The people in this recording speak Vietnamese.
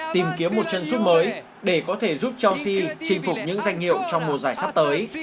tìm kiếm một chân dung mới để có thể giúp chelsea chinh phục những danh hiệu trong mùa giải sắp tới